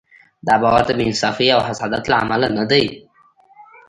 دا باور د بې انصافۍ او حسادت له امله نه دی.